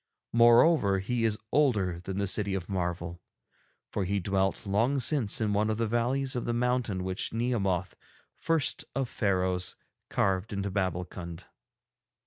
Moreover, he is older than the City of Marvel, for he dwelt long since in one of the valleys of the mountain which Nehemoth, first of Pharaohs, carved into Babbulkund.